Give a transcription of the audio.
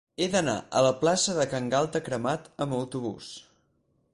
He d'anar a la plaça de Can Galta Cremat amb autobús.